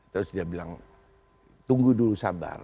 terus dia bilang tunggu dulu sabar